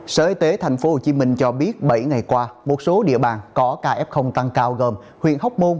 sở y tế tp hcm cho biết bảy ngày qua một số địa bàn có caf tăng cao gồm huyện hóc môn